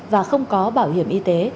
và không có bảo hiểm y tế